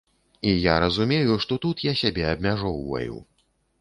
І я разумею, што тут я сябе абмяжоўваю.